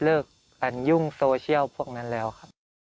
เลิกกันยุ่งโซเชียลพวกนั้นแล้วครับ